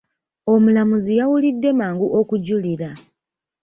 Omulamuzi yawulidde mangu okujulira.